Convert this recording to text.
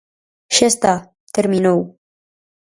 Xa está, terminou.